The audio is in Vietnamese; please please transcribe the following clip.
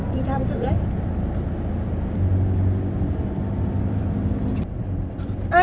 đi tham dự đấy